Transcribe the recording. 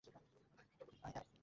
ধরণি দ্বিধা কর!